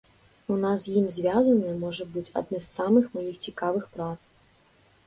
У нас з ім звязаная, можа быць, адны з маіх самых цікавых прац.